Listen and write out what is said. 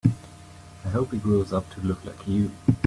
I hope he grows up to look like you.